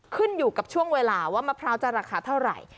ขึ้นอยู่กับช่วงเวลาว่ามะพร้าวจะราคาเท่าไหร่